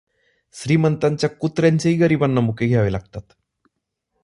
श्रीमंताच्या कुत्र्यांचेही गरिबांना मुके घ्यावे लागतात.